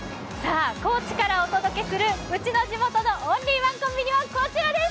高知からお届けする「ウチの地元のオンリーワンコンビニ」はこちらです。